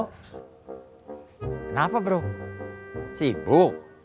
kenapa bro sibuk